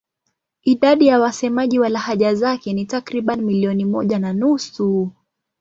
Idadi ya wasemaji wa lahaja zake ni takriban milioni moja na nusu.